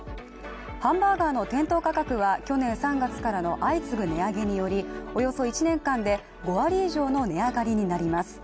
ハンバーガーの店頭価格は去年３月からの相次ぐ値上げによりおよそ１年間で５割以上の値上がりになります。